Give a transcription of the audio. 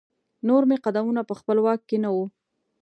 نور مې قدمونه په خپل واک کې نه وو.